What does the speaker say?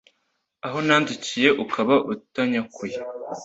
Aho nanzikiye ukaba utanyakuye